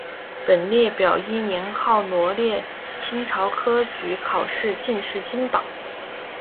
本列表依年号罗列明朝科举考试进士金榜。